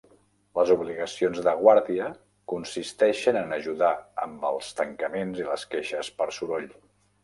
Les obligacions de guàrdia consisteixen en ajudar amb els tancaments i les queixes per soroll.